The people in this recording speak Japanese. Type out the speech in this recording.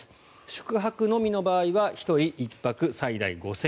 宿泊のみの場合は１人１泊最大５０００円。